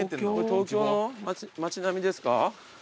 東京の街並みですか？